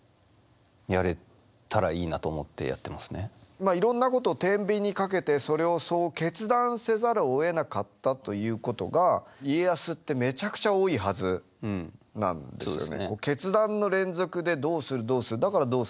まあいろんなことをてんびんにかけてそれをそう決断せざるをえなかったということが家康ってめちゃくちゃ多いはずなんですよね。